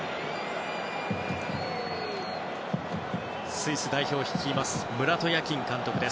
スイス代表を率いますムラト・ヤキン監督。